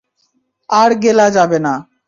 আর গেলা যাবে না।